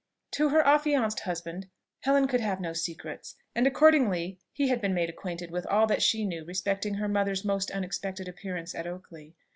To her affianced husband Helen could have no secrets, and accordingly he had been made acquainted with all that she knew respecting her mother's most unexpected appearance at Oakley.